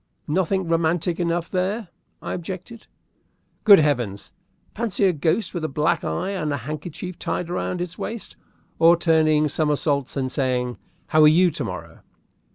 "Nothing romantic enough there," I objected. "Good heavens! Fancy a ghost with a black eye and a handkerchief tied round its waist, or turning somersaults, and saying, 'How are you to morrow?'"